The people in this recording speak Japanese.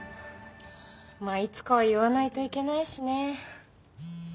まあいつかは言わないといけないしね。